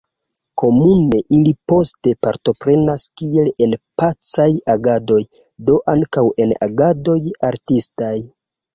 Komune ili poste partoprenas kiel en pacaj agadoj, do ankaŭ en agadoj artistaj.